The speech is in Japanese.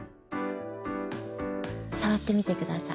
さわってみてください。